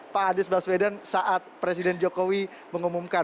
pak anies baswedan saat presiden jokowi mengumumkan